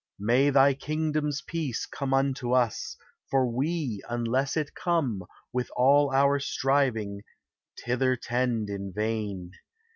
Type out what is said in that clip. May thy kingdom's peace Come unto us ; for we, unless it come, With all our striving, thither tend in vain.